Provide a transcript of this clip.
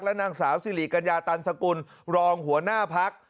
และนางสาวซิริลกัญญาตรรสกลโรงหัวหน้าพรรค